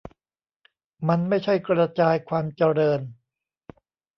มันไม่ใช่กระจายความเจริญ